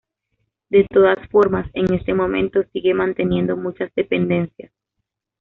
De todas formas, en este momento sigue manteniendo muchas dependencias.